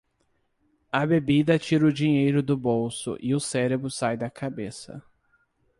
A bebida tira o dinheiro do bolso e o cérebro sai da cabeça.